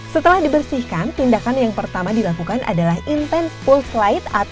setelah dibersihkan tindakan yang pertama dilakukan adalah intense pulse light